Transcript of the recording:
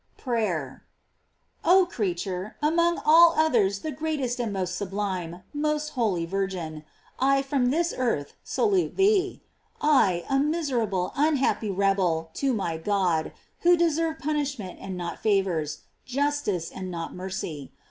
PRAYER. Oh creature, among all others the greatest and most sublime, most holy Virgin, I from this earth salute thee; I, a miserable, unhappy rebel to my God, who deserve punishment and not favors, justice and riot mercy.